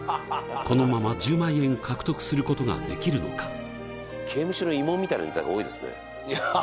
このまま１０万円獲得することができるのかが多いですね